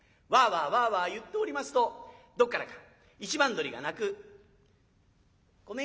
わあわあわあわあ言っておりますとどっからか一番鶏が鳴く。